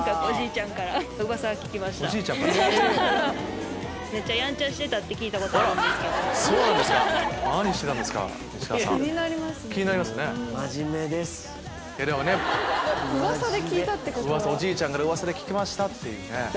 おじいちゃんから噂で聞きましたっていうね。